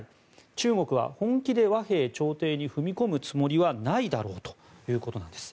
中国は本気で和平調停に踏み込むつもりはないだろうということなんです。